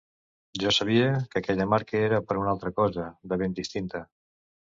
Jo sabia que aquella marca era per una altra cosa, de ben distinta.